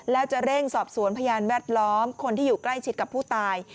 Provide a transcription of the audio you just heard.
แล้วจะเร่งสอบสวนพยานแวดล้อมคนที่อยู่ใกล้ชิดกับผู้ตาย